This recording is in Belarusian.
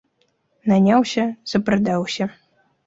Наняўся ‒ запрадаўся